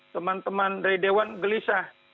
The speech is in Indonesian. teman teman dari dewan gelisah